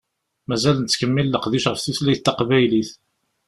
Mazal nettkemmil leqdic ɣef tutlayt taqbaylit.